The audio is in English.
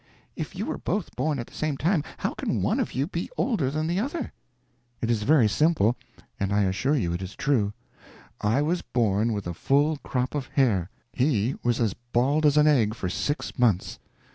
If you were both born at the same time, how can one of you be older than the other?" "It is very simple, and I assure you it is true. I was born with a full crop of hair, he was as bald as an egg for six months.